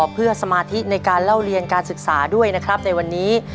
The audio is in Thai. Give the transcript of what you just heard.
เพื่อสมาธิในการเล่าเรียนการศึกษาด้วยนะครับในวันนี้